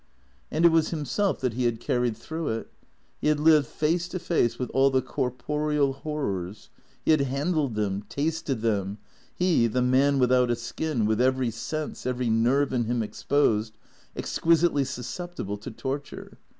And it was liimself that he had carried through it. He had lived face to face with all the corporeal horrors; he had handled them, tasted them, he, the man without a skin, with every sense, every nerve in him exposed, exquisitely susceptible to tor ture.